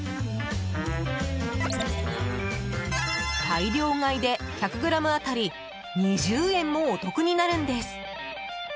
大量買いで１００ｇ当たり２０円もお得になるんです。